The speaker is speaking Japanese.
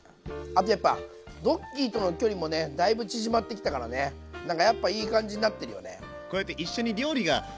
あとやっぱドッキーとの距離もねだいぶ縮まってきたからねなんかやっぱいい感じになってるよね。